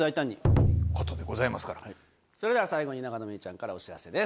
それでは最後に永野芽郁ちゃんからお知らせです。